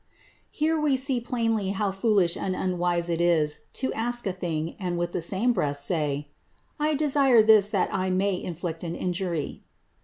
Here we see plainly how foolish and unwise it is to ask a thing and with the same breath to say, "I desire this that I may inflict an injury."